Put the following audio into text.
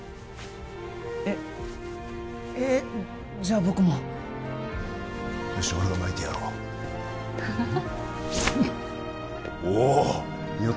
えっえっじゃ僕もよし俺が巻いてやろうおおっ！